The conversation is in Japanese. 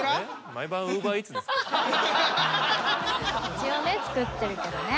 一応ね作ってるけどね。